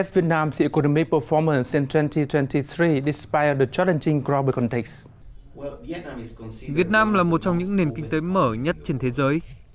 việt nam là một trong những nền kinh tế mở nhất trên thế giới